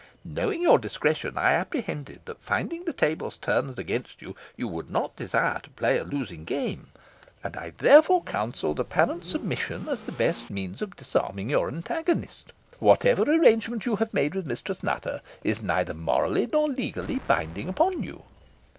Knowing your discretion, I apprehended that, finding the tables turned against you, you would not desire to play a losing game, and I therefore counselled apparent submission as the best means of disarming your antagonist. Whatever arrangement you have made with Mistress Nutter is neither morally nor legally binding upon you."